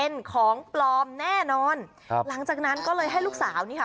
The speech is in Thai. เป็นของปลอมแน่นอนครับหลังจากนั้นก็เลยให้ลูกสาวนี่ค่ะ